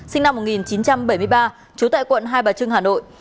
sinh năm một nghìn chín trăm bảy mươi ba trú tại quận hai bà trưng hà nội